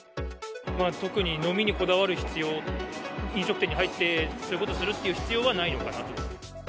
特に飲みにこだわる必要、飲食店に入ってそういうことするっていう必要はないのかなと。